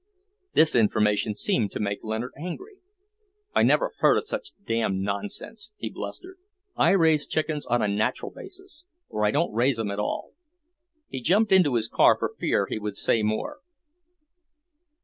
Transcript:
This information seemed to make Leonard angry. "I never heard of such damned nonsense," he blustered. "I raise chickens on a natural basis, or I don't raise 'em at all." He jumped into his car for fear he would say more.